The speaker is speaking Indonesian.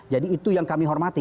jadi itu yang kami hormati